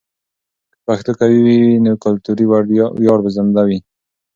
که پښتو قوي وي، نو کلتوري ویاړ به زنده وي.